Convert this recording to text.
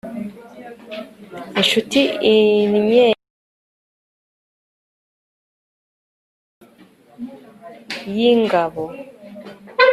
incuti innyegana imeze nk'ifarasi y'ingabo